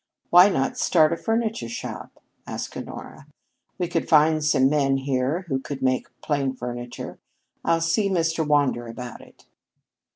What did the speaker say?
"Why not start a furniture shop?" asked Honora. "We could find some men here who could make plain furniture. I'll see Mr. Wander about it."